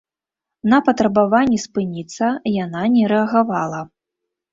На патрабаванне спыніцца яна не рэагавала.